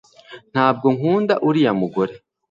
ntabwo nkunda uriya mugore